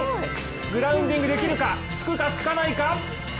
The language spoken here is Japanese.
グランディングできるかつくかつかないか